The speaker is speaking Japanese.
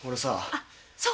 あっそうだ。